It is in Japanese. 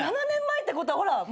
７年前ってことはほら！